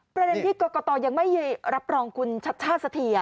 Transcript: ประเด็นที่กรกตยังไม่รับรองคุณชัดชาติสักที